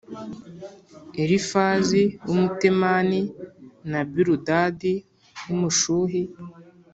Elifazi w’Umutemani na Biludadi w’Umushuhi